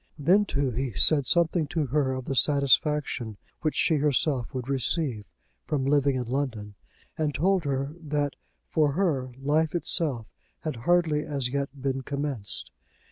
Then, too, he said something to her of the satisfaction which she herself would receive from living in London, and told her that, for her, life itself had hardly as yet been commenced.